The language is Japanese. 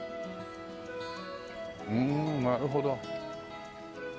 うんなるほど。